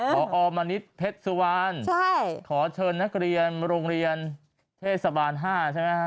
พอมณิษฐ์เพชรสุวรรณขอเชิญนักเรียนโรงเรียนเทศบาล๕ใช่ไหมฮะ